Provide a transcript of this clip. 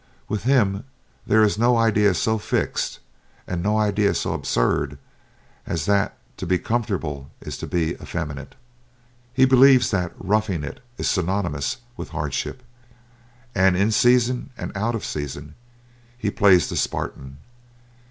With him there is no idea so fixed, and no idea so absurd, as that to be comfortable is to be effeminate. He believes that "roughing it" is synonymous with hardship, and in season and out of season he plays the Spartan.